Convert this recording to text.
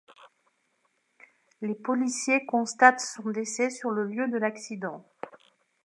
Les policiers constatent son décès sur le lieu de l'accident.